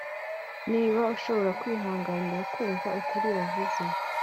Niba ushobora kwihanganira kumva ukuri wavuze